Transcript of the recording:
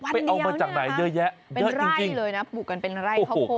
วันเดียวเนี่ยนะครับเป็นไร่เลยนะปลูกกันเป็นไร่ข้าวโพด